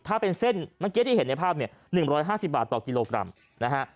ถ้าเป็นเส้นเมื่อกี้ที่เห็นในภาพเนี่ย๑๕๐บาทต่อกิโลกรัมนะฮะ